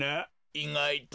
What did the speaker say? いがいと。